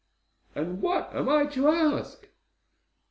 "And what am I to ask?"